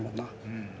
うん。